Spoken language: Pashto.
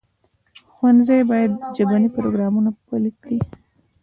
ښوونځي باید ژبني پروګرامونه پلي کړي.